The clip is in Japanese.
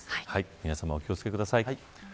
皆さまお気を付けください。